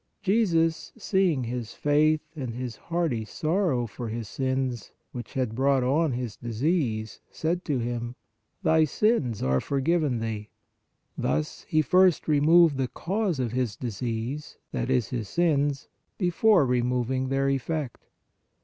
Jesus seeing his faith and his hearty sorrow for his sins which had brought on his disease, said to him :" Thy sins are forgiven thee ;" thus He first re moved the cause of his disease, that is, his sins, before removing their effect.